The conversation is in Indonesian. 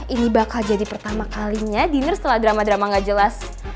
ini bakal jadi pertama kalinya dinner setelah drama drama gak jelas